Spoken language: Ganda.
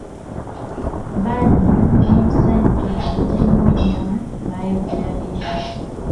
Badru n'omusajja omutemi w'ennyama bayogera bingi.